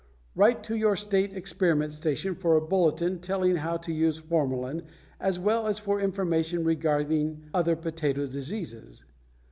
Write to your state experiment station for a bulletin telling how to use formalin, as well as for information regarding other potato diseases.